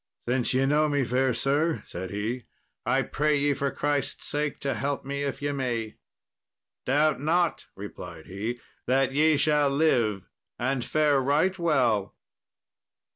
"Since ye know me, fair sir," said he, "I pray ye, for Christ's sake, to help me if ye may." "Doubt not," replied he, "that ye shall live and fare right well."